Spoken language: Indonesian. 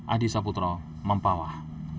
adi saputro mempawah